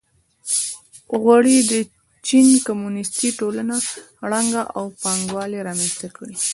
غواړي د چین کمونېستي ټولنه ړنګه او پانګوالي رامنځته کړي.